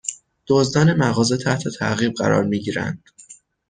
دزدان مغازه تحت تعقیب قرار می گیرند